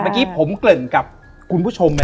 และยินดีต้อนรับทุกท่านเข้าสู่เดือนพฤษภาคมครับ